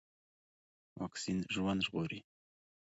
واکسين ژوند ژغوري.